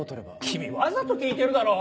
君わざと聞いてるだろ！